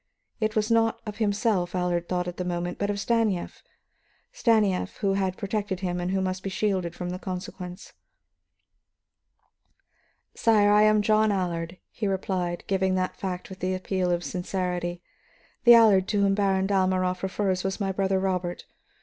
It was not of himself Allard thought at the moment, but of Stanief, Stanief, who had protected him and who must be shielded from the consequence. "Sire, I am John Allard," he replied, giving that fact with the appeal of sincerity. "The Allard to whom Baron Dalmorov refers was my brother Robert.